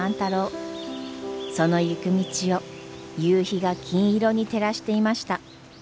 その行く道を夕日が金色に照らしていました。